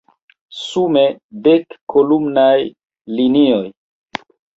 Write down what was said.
Sume, dek kolumnaj linioj.